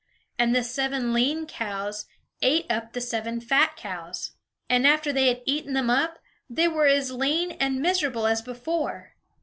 And the seven lean cows ate up the seven fat cows; and after they had eaten them up, they were as lean and miserable as before.